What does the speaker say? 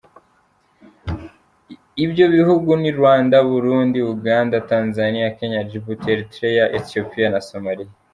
Ibyo bihugu ni : Rwanda, Burundi, Uganda, Tanzania, Kenya, Djibouti, Eritereya, Ethiopiya na Somalia.